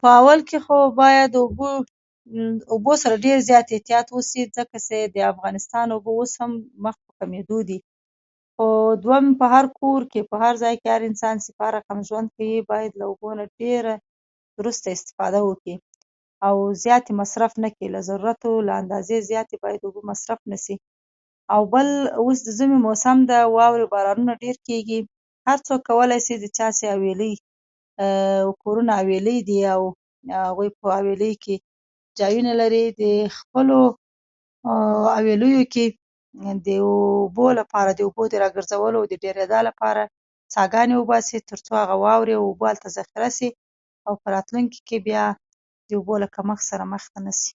په اول خو بايد داوبو سره زيات احتياط وسی ځکه چي دافغانستان اوبه اوس هم مخ په کميدو دي خو دوهم په هر کور کي په هر ځای کي چي هر انسان هر څنګه ژوند کوي بايد داوبو نه ډيره درسته استفاده وکړي او زياتي یی مصرف نکړي له ضرورت او اندازي زياتي اوبه بايد مصرف نسی او بل اوس چی دژمي موسم دی واوره او بارانونه ډير کیږې هر څوک کولای سی د چا چي حویلی او يا کورونه حویلی دي او هغوي په حویلی کي ځايونه لري خپلو حويلیو کي داوبو لپاره داوبو د راګرځولو لپاره او ډيريدا لپاره څاه ګاني وباسي تر څو دواوري اوبه هلته زخيره سی او په راتلونکي کي بيا داوبو له کمښت سره مخ نسی